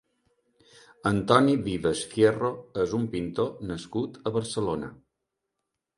Antoni Vives Fierro és un pintor nascut a Barcelona.